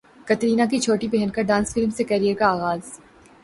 کترینہ کی چھوٹی بہن کا ڈانس فلم سے کیریئر کا اغاز